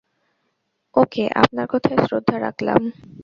ওকে, আপনার কথায় শ্রদ্ধা রাখলাম।